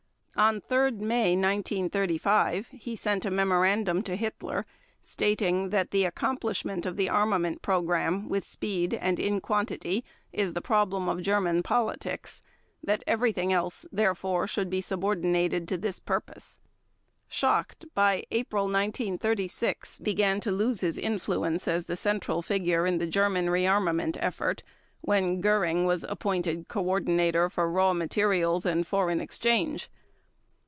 On 3 May 1935 he sent a memorandum to Hitler stating that "the accomplishment of the armament program with speed and in quantity is the problem of German politics, that everything else therefore should be subordinated to this purpose." Schacht, by April 1936, began to lose his influence as the central figure in the German rearmament effort when Göring was appointed Coordinator for Raw Materials and Foreign Exchange.